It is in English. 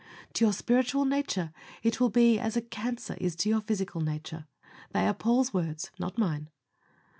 To your spiritual nature it will be as a cancer is to your physical nature. They are Paul's words, not mine.